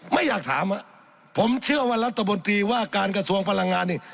ไม่อยากถามผมเชื่อว่ารัฐบนตรีว่าการกระทรวงพลังงานนี่